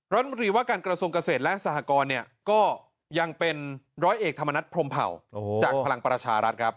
รัฐมนตรีว่าการกระทรวงเกษตรและสหกรเนี่ยก็ยังเป็นร้อยเอกธรรมนัฐพรมเผ่าจากพลังประชารัฐครับ